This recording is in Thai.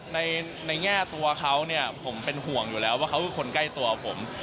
ในแง่ตัวเขาเนี่ยผมเป็นห่วงอยู่แล้วว่าเขาคือคนใกล้ตัวผม